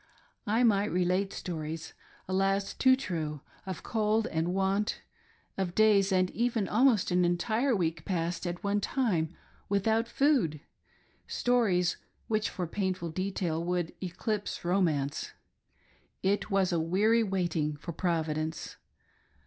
I might relate stories — alas, too true — of cold and want ; of days, and even almost an entire week passed at one time without food — stories which for painful detail would eclipse romance. It was a weary waiting for Provi dence